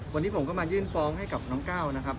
วันนี้ผมก็มายื่นฟ้องให้กับน้องก้าวนะครับ